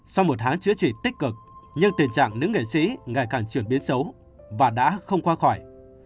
sau một tháng chữa trị tích cực nhưng tình trạng nữ nghệ sĩ ngày càng chuyển biến xấu và đã không qua khỏi